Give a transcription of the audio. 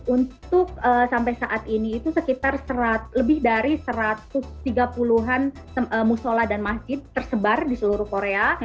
untuk sampai saat ini itu sekitar lebih dari satu ratus tiga puluh an musola dan masjid tersebar di seluruh korea